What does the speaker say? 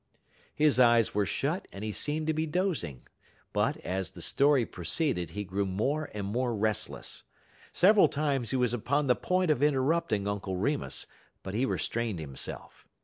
His eyes were shut, and he seemed to be dozing; but, as the story proceeded, he grew more and more restless. Several times he was upon the point of interrupting Uncle Remus, but he restrained himself.